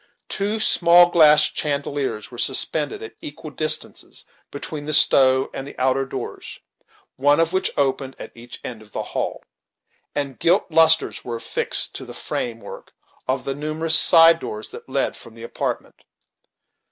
Two small glass chandeliers were suspended at equal distances between the stove and outer doors, one of which opened at each end of the hall, and gilt lustres were affixed to the frame work of the numerous side doors that led from the apartment.